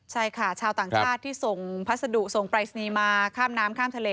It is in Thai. ใช่ค่ะชาวต่างชาติที่ส่งพัสดุส่งปรายศนีย์มาข้ามน้ำข้ามทะเล